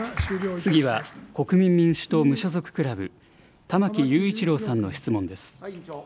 次は国民民主党・無所属クラブ、玉木雄一郎さんの質問です。